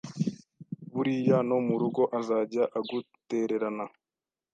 buriya no mu rugo azajya agutererana